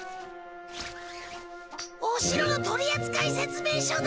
お城の取扱い説明書だ！